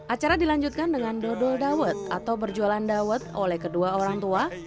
acara dilanjutkan dengan dodol dawet atau berjualan dawet oleh kedua orang tua